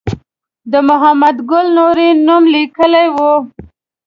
د محمد ګل نوري نوم لیکلی و.